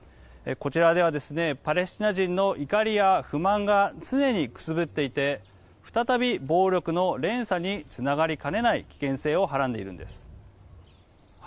こちらではパレスチナ人の怒りや不満が常にくすぶっていて再び暴力の連鎖につながりかねない危険性をはらんでいるんです。